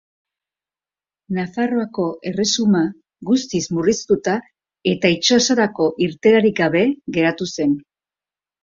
Nafarroako Erresuma guztiz murriztuta eta itsasorako irteerarik gabe geratu zen.